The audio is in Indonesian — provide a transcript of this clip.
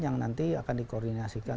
yang nanti akan dikoordinasikan